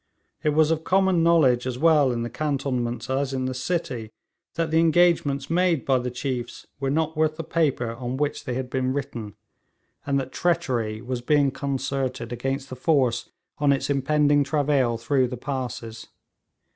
It was of common knowledge as well in the cantonments as in the city, that the engagements made by the chiefs were not worth the paper on which they had been written, and that treachery was being concerted against the force on its impending travail through the passes.